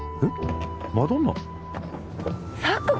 えっマドンナ？